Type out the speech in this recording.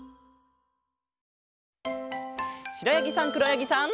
しろやぎさんくろやぎさん。